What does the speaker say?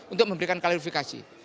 untuk memberikan kalifikasi